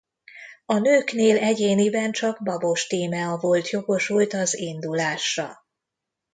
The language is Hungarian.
A nőknél egyéniben csak Babos Tímea volt jogosult az indulásra.